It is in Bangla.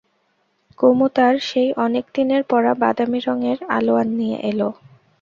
কুমু তার সেই অনেক দিনের পরা বাদামি রঙের আলোয়ান নিয়ে এল।